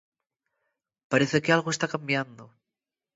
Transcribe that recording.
Parece que algo está cambiando...